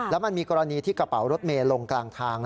แล้วมันมีกรณีที่กระเป๋ารถเมย์ลงกลางทาง